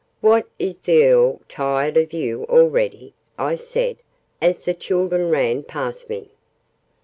"What, is the Earl tired of you already?" I said, as the children ran past me.